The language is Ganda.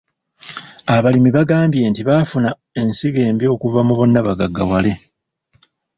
Abalimi baagambye nti baafuna ensigo embi okuva mu bonnabagaggawale.